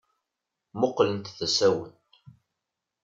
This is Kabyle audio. Mmuqqlent d asawen.